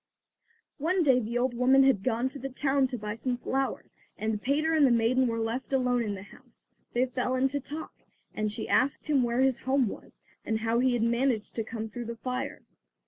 One day the old woman had gone to the town to buy some flour, and Peter and the maiden were left alone in the house. They fell into talk, and she asked him where his home was, and how he had managed to come through the fire.